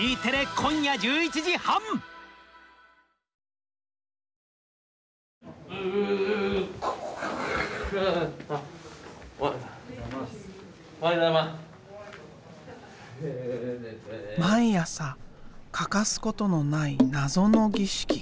毎朝欠かすことのない謎の儀式。